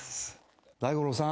大五郎さん。